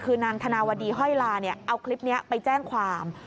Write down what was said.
คือนางธนาวดีห้อยลาเนี่ยเอาคลิปนี้ไปแจ้งความ